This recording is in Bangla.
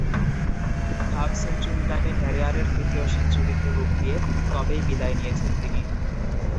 হাফ সেঞ্চুরিটাকে ক্যারিয়ারের তৃতীয় সেঞ্চুরিতে রূপ দিয়ে তবেই বিদায় নিয়েছেন তিনি।